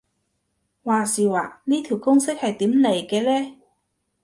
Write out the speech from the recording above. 話時話呢條公式係點嚟嘅呢